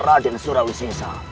raden surawi sisa